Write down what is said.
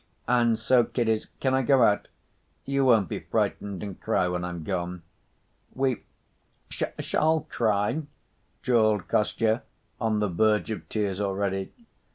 And so, kiddies, can I go out? You won't be frightened and cry when I'm gone?" "We sha—all cry," drawled Kostya, on the verge of tears already.